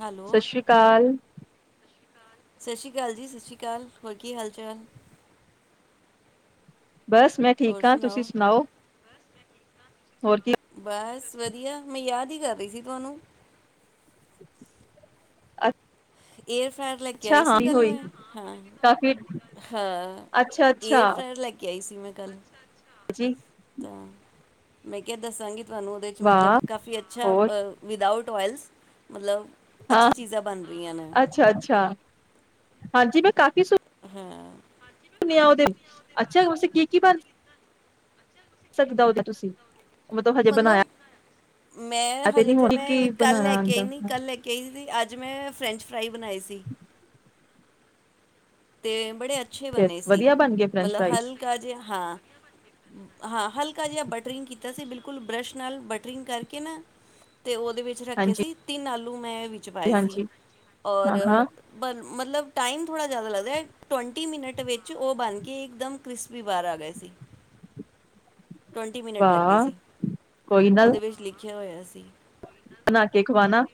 Hello ਸਤਿ ਸ੍ਰੀ ਕਾਲ। ਸਤਿ ਸ੍ਰੀ ਕਾਲ ਜੀ, ਸਤਿ ਸ਼੍ਰੀ ਕਾਲ। ਹੋਰ ਕੀ ਹਾਲ-ਚਾਲ? ਬਸ ਮੈਂ ਠੀਕ ਆਂ। ਤੁਸੀਂ ਸੁਣਾਔ? ਹੋਰ ਕੀ ਬਸ ਵਧੀਆ। ਮੈਂ ਯਾਦ ਈ ਕਰ ਰਈ ਸੀ ਤੁਆਨੂੰ। ਅੱ ਏਸ ਫਰੈਰ ਲੈ ਕੇ ਆਈ ਸੀ ਕੱਲ ਮੈਂ। ਹਾਂ, ਕਾਫੀ ਹਾਂ ਅੱਛਾ ਅੱਛਾ ਏਅਰ ਫਰਾਇਰ ਲੈਅ ਕੇ ਆਈ ਸੀ। ਮੈਂ ਕੱਲ ਜੀ ਤਾਂ ਮੈਂ ਕਿਆ ਦੱਸਾਂਗੀ ਤੁਆਨੂੰ ਔਹਦੇ ਚ ਮਤਲਬ ਵਾਹ ਕਾਫੀ ਅੱਛਾ ਹੋਰ ਅ ਵਿਦਆਊਟ ਟੁਵੈਲਸ ਮਤਲਬ ਅੱਛੀ ਚੀਜ਼ਾਂ ਬਣ ਰਹੀਆਂ ਨੇ ਅੱਛਾ-ਅੱਛਾ। ਹਾਂਜੀ ਮੈਂ ਕਾਫ਼ੀ ਸੁ ਹੈਂ ਭੁਨੀਐ ਔਦੇ, ਅੱਛਾ ਤੁਸੀ ਕੀ-ਕੀ ਕਰ ਸਕਦਾ ਔ ਤੇ ਤੁਸੀ ਮਤਲਬ ਮੈਂ ਨੀ ਹਜੇ ਤੇ ਹੋਣੀ ਕੀ ਮੈਂ ਕੱਲ ਲੈ ਬਣਾਉਣਾ ਕੇ ਆਈ ਆਉਂਦਾ ਨੀ ਕੱਲ ਲੈ ਕੇ ਆਈ ਸੀ। ਅੱਜ ਅੱਜ ਮੈਂ ਫਰੈਂਚ ਫਰਾਈ ਬਣਾਏ ਸੀ। ਤੇ ਬੜੇ ਅੱਛੇ ਫਿਰ ਬਣੇ ਸੀ। ਵਧੀਆ ਬਣ ਗਏ ਫਰੈਂਚ ਮਤਲਬ ਫਰਾਈਜ਼ ਹਲਕਾ ਜੇਆ ਹਾਂ ਹਾਂ ਹਲਕਾ ਜਿਹਾ ਬਟਰਿੰਗ ਕੀਤਾ ਸੀ ਬਿਲਕੁਲ ਬਰਸ਼ ਨਾਲ ਬਟਰਿੰਗ ਕਰਕੇ ਨਾ ਤੇ ਉਹਦੇ ਵਿੱਚ ਰੱਖੇ ਹਾਂਜੀ ਸੀ ਤਿੰਨ ਆਲ ਲੂ ਮੈਂ ਵਿੱਚ ਪਾਏ ਸੀ ਹਾਂਜੀ ਔਰ ਹਾਂ ਹਾਂ ਬਣ ਮਤਲਬ ਟਾਈਮ ਥੋੜਾ ਜਿਆਦਾ ਲੱਗ [unintelligible] ਟਵੰਟੀ ਮਿਨਟ ਵਿੱਚ ਉਹ ਬਣ ਕੇ ਇੱਕ ਦਮ ਕ੍ਰਿਸਪੀ ਬਾਰ ਆ ਗਏ ਸੀ। ਟਵੰਟੀ ਮਿਨਟ ਲੱਗੇ ਵਾਹ ਸੀ। ਕੋਈ ਨਾ ਉਹਦੇ ਵਿੱਚ ਲਿੱ ਖਿਆ ਹੋਇਆ ਸੀ। ਬਣਾ ਕੇ ਖਵਾਨਾ।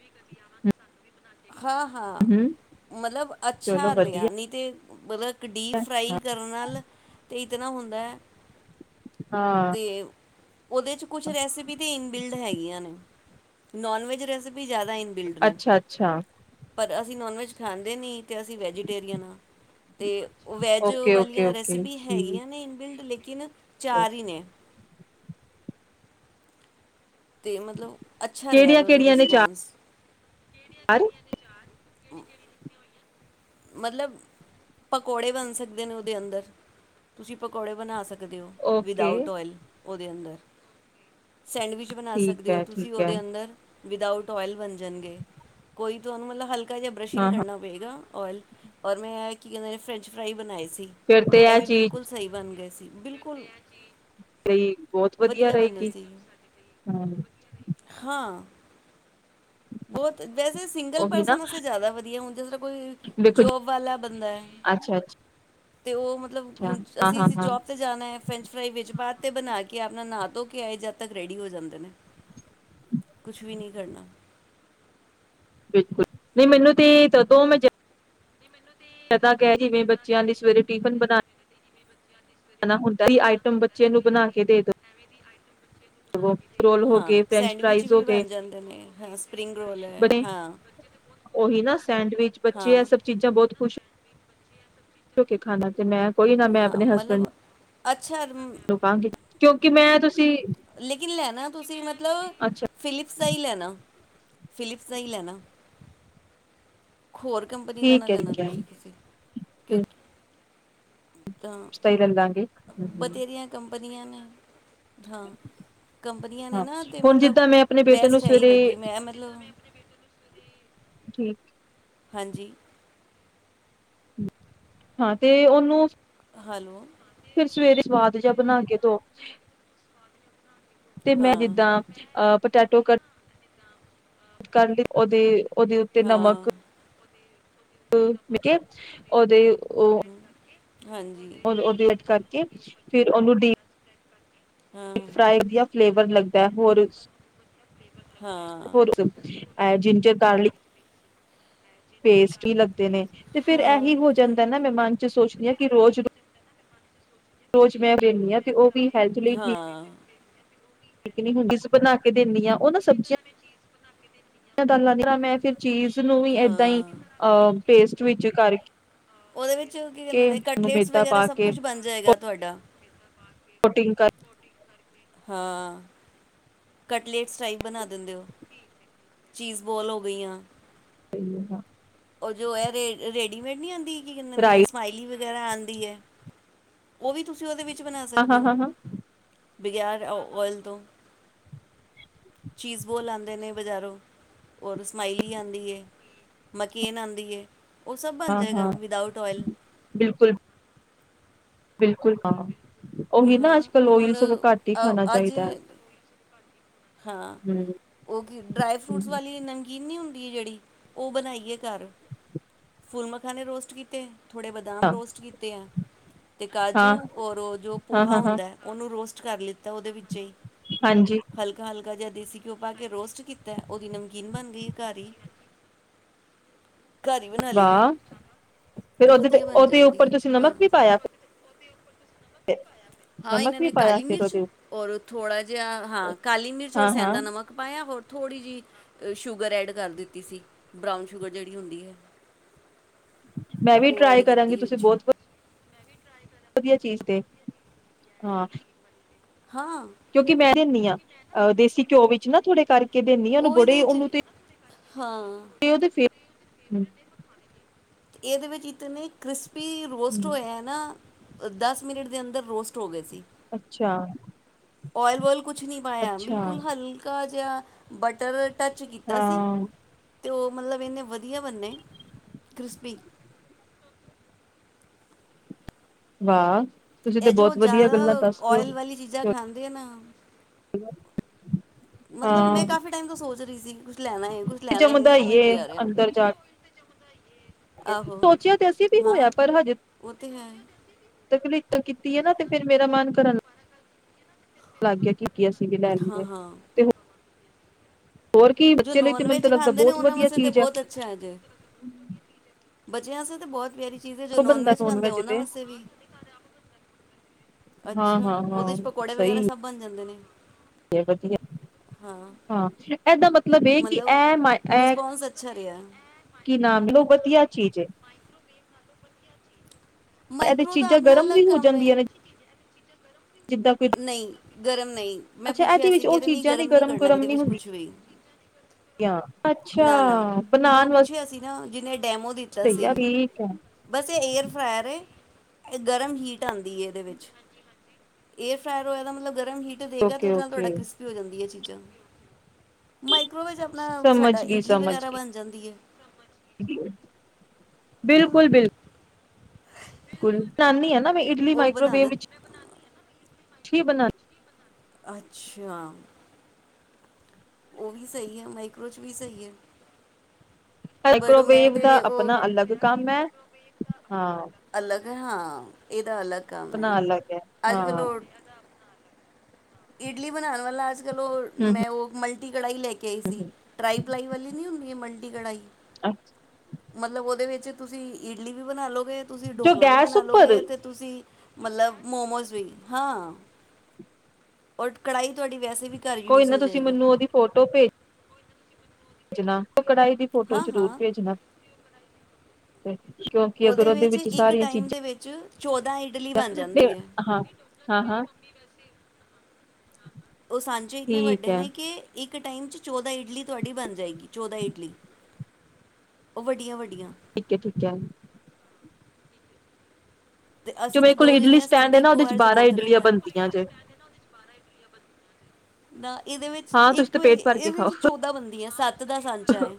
ਹਾਂ-ਹਾਂ, ਹਮ ਮਤਲਬ ਚਲੋ ਅੱਛਾ ਵਧੀਆ ਲਿਆ ਨਈ ਤੇ ਮਲ ਇੱਕ ਡੀਪ ਫਰਾਈ ਕਰਨ ਨਾਲ ਤੇ ਕਿ ਦੇਣਾ ਹੁੰਦਾ ਹੈ। ਹਾਂ ਤੇ ਉਹਦੇ ਚ ਕੁਛ ਰੈਸਪੀ ਇਨਬਿਲਡ ਹੈਗੀਆਂ ਨੇ ਨੋਨ ਵੈਜ ਰੈਸਪੀ ਵੀ ਜ਼ਿਆਦਾ ਇਨ ਬਿਲਡ ਨੇ ਅੱਛਾ ਅੱਛਾ ਪਰ ਅਸੀਂ ਨੋਨ ਵੈੱਜ ਖਾਂਦੇ ਨਹੀਂ, ਅਤੇ ਅਸੀਂ ਵੈਜੀਟੇਰੀਅਨ ਹਾਂ ਅਤੇ ਵੈਜ ਓਕੇ ਓਕੇ ਵਾਲੀਆਂ ਓਕੇ ਰੈਸਿਪੀ ਠੀਕ ਹੈਗੀਆਂ ਨੇ ਇਨਿਲਡ ਲੈ ਕਿਨਾ ਹੈ ਚਾਰ ਨੇ ਤੇ ਮਤਲਬ ਅੱਛਾ ਰਿਹਾ ਵ ਉਹਦਾ ਕਿਹੜੀਆਂ-ਕਿਹੜੀਆਂ ਨੇ ਰਿਸਪੋਂਸ ਚਾਰ ਹੂ ਮਤਲਬ ਪਕੌੜੇ ਬਣ ਸਕਦੇ ਨੇ ਉਹਦੇ ਅੰਦਰ ਤੁਸੀਂ ਪਕੌੜੇ ਬਣਾ ਸਕਦੇ ਦਿਓ, ਓਕੇ ਵਿਦਊਟ ਔਇਲ ਉਹਦੇ ਅੰਦਰ ਸੈਂਡਵਿਚ ਬਣਾ ਠੀਕ ਸਕਦੇ ਹੋ, ਹੈ ਤੁਸੀਂ ਠੀਕ ਹੈ ਉਹਦੇ ਅੰਦਰ ਵਿਦਊਟ ਔਇਲ ਬਣ ਜਾਣਗੇ, ਕੋਈ ਤੁ ਉਹਨੂੰ ਮਤਲਬ ਹਲਕਾ ਜ ਜਾਂ ਬਰਸ਼ਿੰਗ ਹਾਂ-ਹਾਂ ਕਰਨਾ ਪਏਗਾ ਓਇਲ ਔਰ ਮੈਂ ਕੀ ਕਹਿੰਦਾ ਫਰੈਂਚ ਫਰਾਈ ਬਣਾਈ ਸੀ। ਸੀ ਫੇਰ ਤੇ ਇਹ ਵੀ ਚੀਜ਼ ਬਿਲਕੁਲ ਸਹੀ ਬਣ ਗਏ ਸੀ। ਬਿਲਕੁਲ ਤੇ ਬਹੁਤ ਵਧੀਆ ਬਣੇ ਰਹੇਗੀ, ਸੀ ਹੂੰ ਹਾਂ ਬਹੁਤ ਵੈਸੇ ਸਿੰਗਲ ਉਹੀ ਨਾ ਪਰਸਨ ਜਿਆਦਾ ਵਧੀਆ ਹੁੰ ਕੋਈ ਵੇਖੋ ਜੀ ਜੋਬ ਵਾਲਾ ਬੰਦਾ ਹੈ। ਅੱਛਾ-ਅੱਛਾ ਅਤੇ ਉਹ ਮਤਲਬ ਹੁਣ ਅਸੀਂ ਅ ਹਾਂ-ਹਾਂ-ਹਾਂ ਜੋਬ 'ਤੇ ਜਾਣਾ ਹੈ। ਫਰੈਂਚ ਫਰਾਈ ਵਜ ਬਾਅਦ ਤੇ ਬਣਾ ਕੇ ਆਪਣਾ ਨਾਂ ਧੋ ਕੇ ਆਏ ਜਦ ਤੱਕ ਰੈਡੀ ਹੋ ਜਾਂਦੇ ਨੇ ਕੁਛ ਵੀ ਨਹੀਂ ਕਰਨਾ ਬਿਲਕੁਲ ਨਹੀਂ ਮੈਨੂੰ ਤੇ ਜਦੋਂ ਮੈਂ ਪ ਕਹਿ ਜਿਵੇਂ ਬੱਚਿਆਂ ਲਈ ਸਵੇਰੇ ਟਿਫਿਨ ਬਣਾ ਹੁੰਦਾ ਆਈਟਮ ਬੱਚੇ ਨੂੰ ਬਣਾ ਕੇ ਦੇ ਦੋ ਹੂੰ ਹਾਂ, ਸੈਂਡਵਿਚ ਵੀ ਬਣ ਜਾਂਦੇ ਨੇ ਹਾਂ ਸਪਰਿੰਗ ਰੋਲ ਹੈ ਬਣੇ ਹਾਂ ਉਹੀ ਨਾ ਸੈਂਡਵਿਚ ਬੱਚੇ ਇਹ ਹਾਂ ਸਭ ਚੀਜ਼ਾਂ ਬਹੁਤ ਖੁਸ਼ ਖਾਣਾ ਤੇ ਮੈਂ ਕੋਈ ਨਾ ਮੈਂ ਆਪਣੇ ਹਸਬੈਂਡ ੱਛਰ ਮ [unintelligible] ਨੂੰ ਕਹਾਂਗੀ ਕਿਉਂਕਿ ਮੈਂ ਤੁਸੀਂ ਲੇਕਿਨ ਲੈਣਾ ਤੁਸੀਂ ਮਤਲਬ ਅੱਛਾ ਫਿਲਿਪਸ ਦਾ ਹੀ ਲੈਣਾ ਫਿਲਿਪਸ ਦਾ ਹੀ ਲੈਣਾ ਹੋਰ ਕੰਪਨੀ ਦਾ ਨਾ ਠੀਕ ਹੈ ਲੈਣਾ, ਠੀਕ ਹੈ ਤੁਸੀਂ ਕਿਸੇ ਕਿਉਂ ਹੂੰ ਸੀਲਿਫ ਦਾ ਹੀ ਲੈ ਲਾਂਗੇ ਹੂੰ ਹੂੰ ਬਣੀਆਂ ਨੇ ਹਾਂ, ਕੰਪਨੀਆਂ ਨੇ ਹਾਂ ਨਾ ਤੇ ਹੁਣ ਮਤਲਬ ਜਿੱਦਾਂ ਮੈਂ ਆਪਣੇ ਬੇਟੇ ਨੂੰ ਬੈਸਟ ਇਹੀ ਸਵੇਰੇ ਲੱਗੀ, ਮੈਂ ਮਤਲਬ ਠੀਕ ਹਾਂਜੀ ਹਾਂ, ਤੇ ਉਹਨੂੰ ਹੈਲੋ ਫਿਰ ਸਵੇਰੇ ਸਵਾਦ ਜਿਹਾ ਬਣਾ ਕੇ ਦੋ ਤੇ ਮੈਂ ਹਾਂ ਜਿੱਦਾਂ ਅ ਪਟੈਟੋ ਕ ਕਰਨ ਲਈ ਉਹਦੇ ਉਹਦੇ ਉੱਤੇ ਨਮਕ ਹਾਂ ਮ ਉਹਦੇ ਉਹ ਹੂੰ, ਹਾਂਜੀ ਉਹ ਗਰੇਟ ਕਰਕੇ ਫਿਰ ਉਹਨੂੰ ਡ ਹਾਂ ਫ੍ਰ ਦੀਆਂ ਫਲੇਵਰ ਲੱਗ ਤੇ ਹੋਰ ਹਾਂ ਹੋਰ ਜਿੰਜਰ ਗਾਰਲਿਕ ਪੇਸਟ ਲੱਗਦੇ ਨੇ, ਤੇ ਹਾਂ ਫ਼ਿਰ ਇਹੀ ਹੋ ਜਾਂਦਾ ਨਾ ਮੈਂ ਨਾਲ ਸੋਚਦੀ ਹਾਂ, ਕਿ ਰੋਜ਼ ਰੋਜ਼ ਮੈਂ ਰਹਿੰਦੀ ਹਾਂ ਤੇ ਉਹ ਵੀ ਹੈਲਥ ਲਈ ਹਾਂ ਠੀਕ ਹੁੰਦੀ, ਬਣਾ ਕੇ ਦਿੰਦੀ ਹਾਂ। ਉਹ ਨਾ ਸਬਜ਼ੀਆਂ ਦਾਲਾਂ ਦੀ ਮੈਂ ਫਿਰ ਚੀਜ਼ ਨੂੰ ਵੀ ਤੇ ਇਸੇ ਇਦਾਂ ਹੀ ਹਾਂ ਅਹ ਪੇਸਟ ਵਿੱਚ ਕਰਕੇ ਉਹਦੇ ਵਿੱਚ ਕੀ ਕਹਿੰਦੇ ਨੇ ਉਹਨੂੰ ਕਟਲੇਟਸ ਮੈਦਾ ਵਗੈਰਾ ਪਾ ਸਭ ਕੇ ਕੁੱਛ ਬਣ ਜਾਏਗਾ ਤੁਹਾਡਾ ਕੋਟਿੰਗ ਕਰ ਹੂੰ ਕਟਲੇਟਸ ਟਾਈਪ ਬਣਾ ਦਿੰਦੇ ਹੋ, ਚੀਜ਼ ਬੋਲ ਹੋ ਗਈਆਂ ਸਹੀ ਹਾਂ ਉਹ ਜੋ ਹੈ ਰੇ ਰੇਡੀਮੇਡ ਨਹੀਂ ਆਉਂਦੀ? ਕੀ ਕਿਹਂਦੇ ਦੇ ਨੇ ਰਾਈਸ ਸਮਲੀ ਵਗੈਰਾ ਆਉਂਦੀ ਹੈ, ਉਹ ਵੀ ਤੁਸੀਂ ਉਹਦੇ ਵਿੱਚ ਕੁ ਬਣਾ ਹਾਂ ਸਕਦੇ ਹਾਂ ਹੋ ਹਾਂ ਹਾਂ ਬਗੈਰ ਓਇਲ ਤੋਂ ਚੀਜ਼ ਬੋਲ, ਆਉਂਦੇ ਨੇ ਬਜ਼ਾਰੋਂ ਔਰ ਰ ਸਮਮਾਈਲੀ, ਆਉਂਦੀ ਹੈ ਮਕੀਨ, ਆਉਂਦੀ ਹੈ ਉਹ ਸਭ ਬਣ ਹਾਂ ਜਾਏਗਾ ਹਾਂ ਵਿਦਊਟ ਓਇਲ ਬਿਲਕੁਲ ਬਿਲਕੁਲ ਕੰਮ ਉਹੀ ਨਾ ਹਾਂ ਅੱਜ ਕਲ ਓਇਲ ਹੁਣ ਸਗੋਂ ਘੱਟ ਹੀ ਖਾਣਾ ਅ ਅੱਜ ਚਾਹੀਦਾ ਹੈ। ਹਾਂ। ਉਹ ਕੀ ਡਰਾਈ ਫਰੂਟਸ ਹਮ ਵਾਲੀ ਨਮਕੀਨ ਨਹੀਂ ਹੁੰਦੀ ਹੋਦੀ ਜਿਹੜੀ ਉਹ ਬਣਾਈਏ ਘਰ ਫੁੱਲ ਮਖਾਣੇ ਰੋਸਟ ਕੀਤੇ ਥੋੜ੍ਹੇ ਬਦਾਮ ਹਾਂ ਰੋਸਟ ਕੀਤੇ ਹੈ ਤੇ ਕਾਜੂ ਹਾਂ ਔਰ, ਜੋ ਹਾਂ ਪੋਹਾ, ਹਾਂ ਹਾਂ ਹੁੰਦਾ ਹੈ ਉਹਨੂੰ ਰੋਸ ਕਰ ਲਿੱਤਾ ਉਹਦੇ ਵਿੱਚ ਹੀ ਹਾਂਜੀ ਹਲਕਾ, ਹਲਕਾ ਜਿਹਾ ਦੇਸੀ ਘਿਓ ਪਾ ਕੇ ਰੋਸਟ ਕੀਤਾ ਉਹਦੀ ਨਮਕੀਨ ਬਣ ਗਈ ਹੈ ਘਰ ਹੀ ਘਰ ਹੀ ਬਣਾ ਲਈ ਹੈ ਵਾਹ। ਫਿਰ ਉਹਦੇ ਤੇ ਵਧੀਆ ਬਣ ਉਹਦੇ ਜਾਂਦੀ ਉੱਪਰ ਹੈ ਤੁਸੀਂ ਹਾਂ ਨਮਕ ਵੀ ਪਾਇਆ ਤੇ ਹਾਂ। ਇਹਨਾਂ ਨੇ ਕਾਲੀ ਮਿਰਚ, ਔਰ ਥੋੜਾ ਜਿਹਾ ਉੱਪਰ ਹਾਂ ਕਾਲੀ ਮਿਰਚ, ਰ ਹਾਂ ਹਾਂ ਸੈਂਦਾ ਨਮਕ, ਪਾਇਆ ਹੋਰ ਥੋੜ੍ਹੀ ਜਿਹੀ ਸ਼ੂਗਰ ਐਡ ਕਰ ਦਿੱਤੀ ਸੀ ਬਰਾਊਨ ਸ਼ੂਗਰ ਜਿਹੜੀ ਹੁੰਦੀ ਹੈ। ਮੈਂ ਵੀ ਉਹ ਐਡ ਟਰਾਈ ਕਰਾਂਗੀ ਕੀਤੀ ਤੁਸੀਂ ਵਿੱਚ ਬਹੁਤ ਵਧੀਆ ਚੀਜ਼ ਤੇ ਹਾਂ ਹਾਂ ਕਿਉਂਕਿ ਮੈਂ ਦਿੰਦੀ ਆ ਅਹ ਦੇਸੀ ਘਿਓ ਵਿੱਚ ਨਾ ਥੋੜੇ ਕ ਕੇ ਦੇਨੀ ਉਹਨੂੰ ਉਹ ਬੜੇ ਇਹਦੇ ਚ ਉਹਨੂੰ ਤੇ ਹਾਂ ਉਹਦੇ ਫਿਰ ਹੂੰ। ਇਹਦੇ ਵਿੱਚ ਇਤਨੇ ਕ੍ਰਿਸਪ ਪੀ ਰੋਸਟ ਹੋਇਆ ਨਾ ਦਸ ਮਿੰਟ ਦੇ ਅੰਦਰ ਰੋਸਟ ਹੋ ਗਏ ਸੀ। ਅੱਛਾ। ਓਇਲ ਵੋਇਲ ਕੁਛ ਨਹੀਂ ਪਾਇਆ ਅੱਛਾ ਬਿਲਕੁਲ ਹਲਕਾ ਜ ਜਾ ਬਟਰ ਟੱਚ ਕੀਤਾ ਸੀ। ਹਾਂ ਅਤੇ ਉਹ ਮਤਲਬ ਇੰਨੇ ਵਧੀਆ ਬਣੇ ਕ੍ਰਿਸਪੀ ਵਾਹ। ਤੁਸੀਂ ਤੇ ਇਹ ਜੋ ਬਹੁਤ ਵਧੀਆ ਜ਼ਿਆਦਾ ਗੱਲਾਂ ਦੱਸ ਰਹੇ ਓਇਲ ਵਾਲੀ ਚੀਜ਼ਾਂ ਹੋ ਖਾਂਦੀ ਆ ਨਾ ਮਤਲਬ ਮੈਂ ਹਾਂ ਕਾਫ਼ੀ ਟਾਈਮ ਤੋਂ ਸੋਚ ਰਹੀ ਸੀ [inaudible] ਕੁਛ ਲੈਣਾ ਹੈ, ਕੁਛ ਲੈਣਾ ਹੈ ਜੰਮਦਾ ਹੀ ਸਮਝ ਨੀ ਏ ਆ ਰਿਹਾ [inaudible] ਅੰਦਰ ਜਾ ਆਹੋ ਸੋਚਿਆ ਤੇ ਅਸੀਂ ਵੀ ਹਾਂ ਹੋਇਆ ਪਰ ਹਜੇ ਉਹ ਤਾਂ ਹੈ [unintelligible] ਕੀਤੀ ਹੈ ਨਾ ਤੇ ਫੇਰ ਮੇਰਾ ਮਨ ਕਰਨ ਲੱਗ ਗਿਆ ਕਿ ਕੀ ਅਸੀਂ ਵੀ ਲੈ ਹਾਂ ਲਈਏ ਹਾਂ ਤੇ ਹੋਰ ਕੀ ਜੋ ਬੱਚੇ ਲਈ ਤੇ ਨੋਨ ਮੈਨੂੰ ਤਾਂ ਵੈਜ ਲੱਗਦਾ ਖਾਂਦੇ ਨੇ ਬਹੁਤ ਉਹਨਾਂ ਵਧੀਆ ਵਾਸਤੇ ਤਾਂ ਚੀਜ਼ ਹੈ। ਬਹੁਤ ਅੱਛਾ ਜੇ ਬੱਚਿਆਂ ਵਾਸਤੇ ਤਾਂ ਬਹੁਤ ਪਿਆਰੀ ਚੀਜ ਏ ਜੋ ਨੋਨ ਵੈਜ ਖਾਂਦੇ ਉਹ ਨਾ ਵਾਸਤੇ ਵੀ ਹਾਂ ਅੱਛਾ ਹਾਂ ਉਹਦੇ ਹਾਂ ਚ ਪਕੌੜੇ ਵਗੈਰਾ ਸਹੀ ਸਭ ਬਣ ਜਾਂਦੇ ਨੇ ਵਧੀਆ ਹਾਂ ਇਹਦਾ ਮਤਲਬ ਇਹ ਕਿ ਇਹ ਮ ਮਤਲਬ ਇਹ ਰਿਸਪੌਂਸ ਅੱਛਾ ਰਿਹਾ ਕੀ ਨਾਮ ਲਓ ਵਧੀਆ ਚੀਜ਼ ਏ ਇਹਦੇ ਚ ਮਾਈਕਰੋ ਦਾ ਚੀਜ਼ਾਂ ਆਪਣਾ ਗਰਮ ਵੀ ਅਲੱਗ ਹੋ ਕੰਮ ਹੈ ਜਾਂਦੀਆਂ ਨੇ? ਜਿੱਦਾਂ ਕੋਈ ਨਹੀਂ ਗਰਮ ਨਹੀਂ ਮੈਂ ਅੱਛਾ ਪੁੱਛਿਆ ਇਹਦੇ ਸੀ ਵਿੱਚ ਉਹ ਕਹਿ ਰਹੇ ਨਹੀਂ ਚੀਜ਼ਾਂ ਨੀ ਗਰਮ ਨਹੀਂ ਕਰਨਾ ਗਰਮ ਇਹਦੇ ਨੀ ਵਿੱਚ ਕੁੱਛ ਹੁੰਦੀਆਂ ਵੀ ਅੱਛਾ ਨਾ ਨਾ ਮੈਂ ਉਹ ਬਣਾਉਣ ਪੁੱਛਿਆ ਸੀ ਨਾ ਜਿਹਨੇ ਡੈਮੋ ਦਿੱਤਾ ਵਾਸਤੇ ਹੀ ਸੀ ਆ ਠੀਕ ਹੈ ਬਸ ਇਹ ਏਅਰ ਫਰਾਇਰ ਏ। ਇਹ ਗਰਮ ਹੀਟ ਆਉਂਦੀ ਇਹਦੇ ਵਿੱਚ [unintelligible] ਹੋਇਆ ਇਹਦਾ ਮਤਲਬ ਗਰਮ ਗਰਮ ਹੀਟ ਦੇਗਾ ਤੇ ਓਕੇ ਉਹਦੇ ਨਾਲ ਤੁਹਾਡਾ ਓਕੇ ਕ੍ਰਿਸਪੀ ਹੋ ਜਾਂਦੀਆਂ ਚੀਜ਼ਾਂ। ਮਾਈਕ੍ਰੋਵੇਵ ਚ ਆਪਣਾ ਸਮਝ ਸਾਡਾ ਗਈ ਇਡਲੀ ਸਮਝ ਵਗੈਰਾ ਬਣ ਜਾਂਦੀ ਹੈ। ਗਈ ਬਿਲਕੁਲ- ਬਿਲਕੁਲ। ਕੁੜੀ ਦੀ ਨਾਨੀ ਹੈ ਨਾ। ਨਾ ਮੈਂ ਇਡਲੀ ਉਹ ਮਾਈਕਰੋਵੇਵ ਬਣਾਉਣਾ ਵਿੱਚ। ਕੀ ਬਣਾਨਾ। ਅੱਛਾ ਉਹ ਵੀ ਸਹੀ ਹੈ। ਮਾਈਕਰੋ ਚ ਵੀ ਸਹੀ ਹੈ। ਬਟ ਮੈਂ ਮਾਈਕ੍ਰੋਵੇਵ ਦਾ ਤੇ ਆਪਣਾ ਉਹ ਅਲੱਗ ਕੰਮ ਹੈ। ਹਾਂ। ਅਲੱਗ ਹਾਂ। ਇਹਦਾ ਅਲੱਗ ਕੰਮ ਹੈ। ਆਪਣਾ ਅਲੱਗ ਹੈ ਅੱਜ ਹਾਂ ਕੱਲ੍ਹ ਇਡਲੀ ਬਣਾਉਣ ਵਾਲਾ ਅੱਜ ਕੱਲ ਉਹ ਹਮ ਮੈਂ ਉਹ ਮਲਟੀ। ਕੜਾਈ ਲੈ ਕੇ ਆਈ ਸੀ। ਹਮ ਟਰਾਈ ਪਲਾਈ ਵਾਲੀ ਨੀ ਹੁੰਦੀ ਮਲਟੀ ਕੜਾਈ ਮਤਲਬ ਉਹਦੇ ਵਿੱਚ ਤੁਸੀਂ ਇਡਲੀ ਵੀ ਬਣਾ ਲਓਗੇ। ਤੁਸੀਂ ਜੋ ਢੋਕਲਾ ਵੀ ਗੈਸ ਬਣਾ ਉੱਪਰ ਲਓਗੇ ਤੇ। ਤੁਸੀਂ ਮਤਲਬ ਮੋਮੋਸ ਵੀ ਹਾਂ। ਔਰ ਕੜਾਹੀ ਤੁਹਾਡੀ ਵੈਸੇ ਵੀ ਘਰ ਕੋਈ ਯੂਜ਼ ਨਹੀਂ ਹੋ ਤੁਸੀਂ ਜਾਏਗੀ ਮੈਨੂੰ ਉਹਦੀ ਫੋਟੋ ਭੇਜਜੋ। ਭੇਜਣਾ। ਕੜਾਹੀ ਦੀ ਫੋਟੋ ਹਾਂ ਜ਼ਰੂਰ ਹਾਂ ਭੇਜਣਾ। [inaudible] ਕਿਉਂਕਿ ਅਗਰ ਉਹਦੇ ਵਿੱਚ ਇੱਕ ਸਾਰੀਆਂ ਟਾਈਮ ਦੇ ਵਿੱਚ ਚੌਦਾਂ ਇਡਲੀ ਚੀਜ਼ਾਂ ਬਣ ਜਾਂਦੀ ਹੈ। ਹਾਂ। ਹਾਂ, ਹਾਂ। ਉਹ ਸਾਂਚੇ ਇੰਨੇ ਠੀਕ ਵੱਡੇ ਹੈ ਨੇ ਕਿ ਇੱਕ ਇੱਕ ਟਾਈਮ ਚ ਚੌਦਾਂ ਇਡਲੀ ਤੁਹਾਡੀ ਬਣ ਜਾਏਗੀ। ਚੌਦਾਂ ਇਡਲੀ। ਉਹ ਵੱਡੀਆਂ ਵੱਡੀਆਂ। ਠੀਕ ਹੈ, ਠੀਕ ਹੈ। ਤੇ ਜੋ ਅਸੀਂ ਤੇ ਮੇਰੇ ਕੋਲ ਦੋ ਇਡਲੀ ਜਣੇ ਆ ਸਾਨੂੰ ਸਟੈਂਡ ਤੇ ਹੈ ਨਾ। ਇੱਕੋ ਉਹਦੇ ਚ ਵਾਰ ਬਾਰਾਂ ਬਹੁਤ ਇਡਲੀਆਂ ਰਹਿੰਦਾ। ਬਣਦੀਆਂ ਜੇ। ਨਾ ਇਹਦੇ ਵਿੱਚ ਹਾਂ ਤੁਸੀਂ ਇੱਕ ਤੇ ਪੇਟ ਭਰ ਇਹਦੇ ਕੇ ਖਾਓ ਵਿੱਚ ਚੌਦਾਂ ਬੰਦੀ ਆ। ਸੱਤ ਦਾ ਸਾਂਚਾ ਹੈ।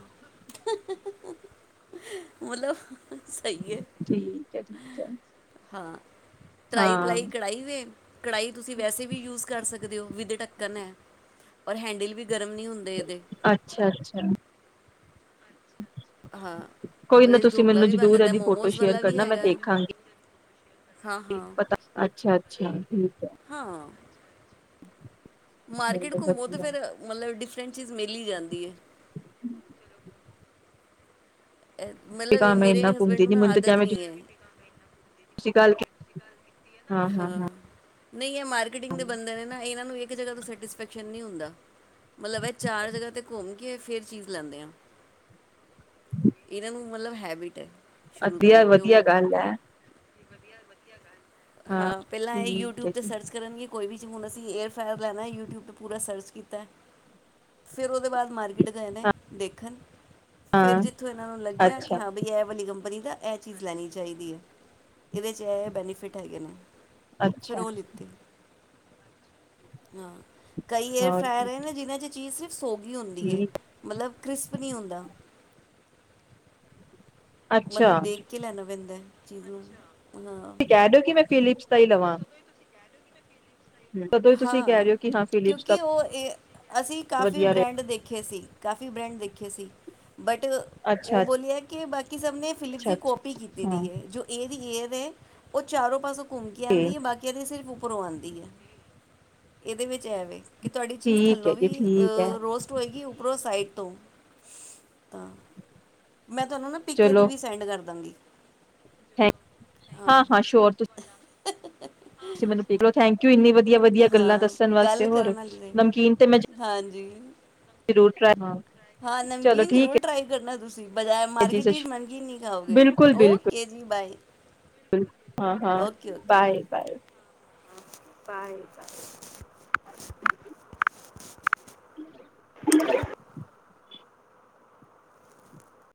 ਮਤਲਬ। ਸਹੀ ਹੈ। ਠੀਕ ਹੈ ਠੀਕ ਹੈ ਹਾਂ ਤਰਾਈ ਹਾਂ ਪਲਾਈ ਕਢਾਈ ਵੇ। ਕੜਾਹੀ ਤੁਸੀਂ ਵੈਸੇ ਵੀ ਯੂਜ ਕਰ ਸਕਦੇ ਡੱਕ ਦਿਉ ਵਿੱਥ ਡੱਕਣ ਡੱਕਣ ਹੈ ਔਰ ਹੈਂਡਲ ਵੀ ਗਰਮ ਨਹੀਂ ਹੁੰਦੇ ਇਹਦੇ। ਅੱਛਾ ਅੱਛਾ ਹਾਂ ਕੋਈ ਨਾ ਉਹਦੇ 'ਚ ਤੁਸੀਂ ਢੋਕਲਾ ਮੈਨੂੰ ਵੀ ਬਣ ਜਰੂਰ ਜਾਂਦਾ ਇਹਦੀ ਫੋਟੋ ਮੋਮੋਸ ਸ਼ੇਅਰ ਵਾਲਾ ਵੀ ਕਰਨਾ। ਮੈਂ ਹੈਗਾ ਹਾਂ ਦੇਖਾਂਗੀ ਹਾਂ ਪਤਾ, ਅੱਛਾ ਅੱਛਾ ਠੀਕ ਹੈ। ਚਲੋ ਮਾਰਕਿਟ ਘੁੰਮੋ ਤੇ ਵਧੀਆ ਫੇਿਰ ਮਤਲਬ ਡਿਫਰੈਂਟ ਚੀਜ਼ ਮਿਲ ਜਾਂਦੀ ਹੈ। ਮਤਲਬ, ਕ ਇਹ ਮੈਂ ਮੇਰੇ ਇੰਨਾ ਹਸਬੈਂਡ ਨੂੰ ਨਾ ਆਦਤ ਨੀ ਹੈ। ਸਤਿ ਸ਼੍ਰੀ ਅਕਾਲ ਹਾਂ ਨਹੀਂ, ਇਹ ਮਾਰਕੀਟਿੰਗ ਦੇ ਬੰਦੇ ਨੇ ਨਾ ਇਹਨਾਂ ਇੱਕ ਜਗ੍ਹਾ ਤੋਂ ਸੈਟਿਸਫੈਕਸ਼ਨ ਨਹੀਂ ਹੁੰਦਾ। ਮਤਲਬ ਇਹ ਚਾਰ ਜਗ੍ਹਾ ਤੇ ਘੁੰਮ ਕੇ ਫਿਰ ਚੀਜ਼ ਲੈਂਦੇ ਹਾਂ ਇਹਨਾਂ ਨੂੰ ਮਤਲਬ ਹੈਬਿਟ ਹੈ। ਸ਼ੁਰੂ ਤੋਂ ਵਧੀਆ ਹੀ ਅਤੇ ਉਹ ਹਾਂ, ਪਹਿਲਾਂ ਇਹ ਠੀਕ ਯੂਟਿਊਬ ਹੈ ਤੇ ਜੀ ਸਰਚ ਕਰਨਗੇ ਕੋਈ ਵੀ ਹੁਣ ਅਸੀਂ ਏਅਰ ਫੈਅਰ ਲੈਣਾ ਯੂਟਿਊਬ 'ਤੇ ਪੂਰਾ ਸਰਚ ਕੀਤਾ ਫਿਰ ਉਹਦੇ ਬਾਅਦ ਮਾਰਕਿਟ ਗਏ ਨੇ ਦੇਖਣ ਹਾਂ ਫੇਰ ਜਿੱਥੋਂ ਇਹਨਾਂ ਨੂੰ ਲੱਗਿਆ ਕਿ ਅੱਛਾ ਹਾਂ। ਬਈ ਇਹ ਵਾਲੀ ਕੰਪਨੀ ਇਹਦਾ ਇਹ ਚੀਜ਼ ਲੈਣੀ ਚਾਹੀਦੀ ਹੈ। ਇਹਦੇ 'ਚ ਇਹ ਬੈਨੀਫਿਟ ਹੈਗੇ ਨੇ ਅੱਛਾ ਫਿਰ ਉਹ ਲਿੱਤੀ ਹਾਂ ਕਈ ਏਅ ਹੋਰ ਫਾਇਰ ਕੀ ਹੈ, ਜਿਹਨ੍ਹਾਂ ਚ ਜੀ ਸੀ ਸੋਗੀ ਹੁੰਦੀ ਹੈ ਠੀਕ ਮਤਲਬ ਕ੍ਰਿਸਪ ਨਹੀਂ ਹੁੰਦਾ ਅੱਛਾ ਮਤਲਬ ਦੇਖ ਤੁਸੀਂ ਕੇ ਲੈਣਾ ਪੈਂਦਾ ਹੈ। ਚੀਜ਼ ਰੋਜ਼ ਨਾ ਕਹਿ ਰਹੇ ਹੋ ਕਿ ਮੈਂ ਫਿਲਿਪਸ ਦਾ ਹੀ ਲਵਾਂ ਤਦੋਂ ਹੀ ਤੁਸੀਂ ਕਹਿ ਹਾਂ, ਰਹੇ ਹੋ ਕਿ ਹਾਂ ਫਿਲਿਪਸ ਦਾ ਕਿਉਂਕਿ ਉਹ ਇਹ ਅਸੀਂ ਕਾਫੀ ਵਧੀਆ ਰਹੇ ਬ੍ਰੈਂਡ ਦੇਖੇ ਸੀ ਕਾਫੀ ਬ੍ਰੈਂਡ ਦੇਖੇ ਸੀ ਬਟ ਉਹ ਅੱਛਾ ਬੋਲਏ ਕਿ ਬੱਚੇ ਕਿ ਸਭ ਨੇ ਫਿਲਿਪ ਅੱਛਾ ਦੀ ਕਪੀ ਅੱਛਾ ਕੀਤੀ ਹਾਂ ਦੀ ਹੈ ਜੋ ਇਹਦੀ ਨੇ ਉਹ ਚਾਰੋਂ ਪਾਸੋਂ ਘੁੰਮਕ ਆਉਂਦੀ ਆ ਬਾਕੀਆਂ ਸਿਰਫ ਉਪਰੋਂ ਆਉਂਦੀ ਹੈ ਇਹਦੇ ਵਿੱਚ ਐਵੇ ਕਿ ਤੁਹਾਡੀ ਚੀਜ਼ ਠੀਕ ਥੱਲੋਂ ਹੈ ਜੀ ਵੀ ਠੀਕ ਹੈ ਰੋਸਟ ਹੋਏਗੀ, ਉੱਪਰੋਂ ਸਾਈਡ ਤੋਂ ਤਾਂ ਮੈਂ ਤੁਹਾਨੂੰ ਨਾ ਪਿੱਕ ਇਹਦੀ ਵੀ ਸੈਂਡ ਕਰ ਦਾਂਗੀ। ਥੈੰ ਹਾਂ, ਹਾਂ ਸ਼ਯੋਰ ਤੁਸੀਂ [inaudible] ਤੁਸੀ ਮੈਨੂੰ ਦੇਖ ਲਉ ਥੈਂਕਯੂ ਇੰਨੀ ਵਧੀ ਵਧੀਆ-ਵਧੀਆ ਗੱਲਾਂ ਹਾਂ ਦੱਸਣ ਵਾਸਤੇ ਗੱਲ ਹੋਰ ਕਰਨ ਵਾਲੀ ਨਮਕੀਨ ਤੇ ਮੈਂ ਰਹੀ ਹਾਂਜੀ ਜ਼ਰੂਰ ਟਰਾਈ ਹਾਂ ਚਲੋ ਨਮਕੀਨ ਠੀਕ ਜ਼ਰੂਰ ਟਰਾਈ ਕਰਨਾ ਤੁਸੀਂ ਬਜ਼ਾਰ ਹੈ ਜੀ ਮਾਰਕੀਟ ਸਤਿ ਵਿੱਚ ਸ਼੍ਰੀ ਨਮਕੀਨ ਨਹੀਂ ਖਾਓਗੇ ਬਿਲਕੁਲ ਬਿਲਕੁਲ ਓਕੇ ਜੀ ਬਾਏ। ਹਾਂ, ਹਾਂ ਬਾਏ- ਬਾਏ। ਬਾਏ-ਬਾਏ